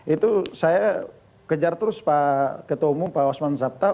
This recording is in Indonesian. itu saya kejar terus pak ketua umum pak osman sabta